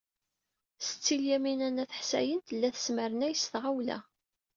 Setti Lyamina n At Ḥsayen tella tesmernay s tɣawla.